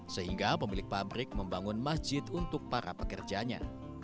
sehingga pemilik pabrik membangun masjid untuk para pekerjanya